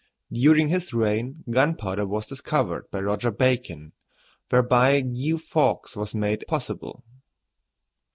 During his reign gunpowder was discovered by Roger Bacon, whereby Guy Fawkes was made possible.